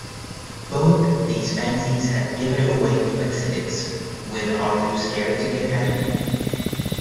Both these fanzines had given away flexidiscs, with Are You Scared To Get Happy?